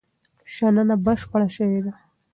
شننه بشپړه شوې ده.